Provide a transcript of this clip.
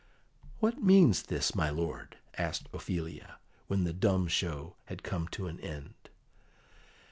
"What means this, my lord?" asked Ophelia, when the dumb show had come to an end.